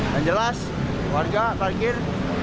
dan jelas warga parkir